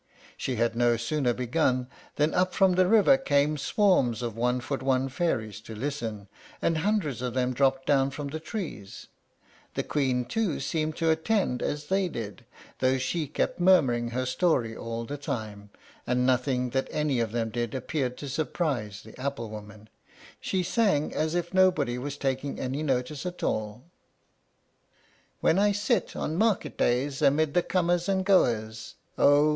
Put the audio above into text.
She had no sooner begun than up from the river came swarms of one foot one fairies to listen, and hundreds of them dropped down from the trees. The Queen, too, seemed to attend as they did, though she kept murmuring her story all the time; and nothing that any of them did appeared to surprise the apple woman, she sang as if nobody was taking any notice at all: When I sit on market days amid the comers and the goers, Oh!